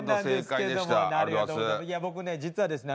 僕ね実はですね